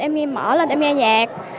em nghe mở lên em nghe nhạc